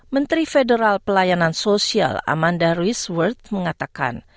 menteri federal pelayanan sosial amanda risword mengatakan